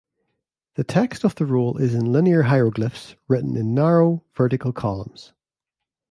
The text of the roll is in linear hieroglyphs written in narrow, vertical columns.